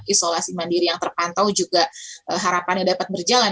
isolasi mandiri yang terpantau juga harapannya dapat berjalan